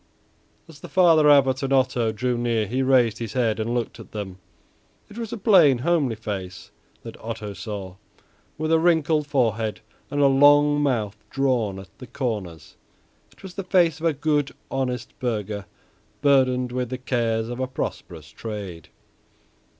As the Father Abbot and Otto drew near he raised his head and looked at them. It was a plain, homely face that Otto saw, with a wrinkled forehead and a long mouth drawn down at the corners. It was the face of a good, honest burgher burdened with the cares of a prosperous trade.